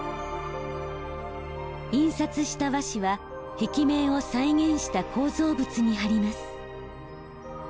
印刷した和紙は壁面を再現した構造物にはります。